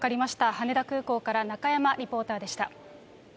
羽田空港から中山リポーターでした。